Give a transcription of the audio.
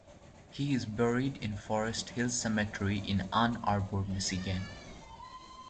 He is buried in Forest Hill Cemetery in Ann Arbor, Michigan.